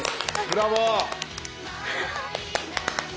ブラボー！